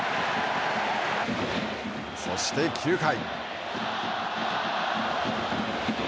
そして９回。